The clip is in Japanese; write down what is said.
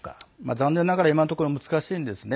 残念ながら今のところ難しいですね。